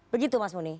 begitu mas muni